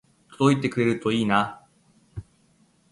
届いてくれるといいな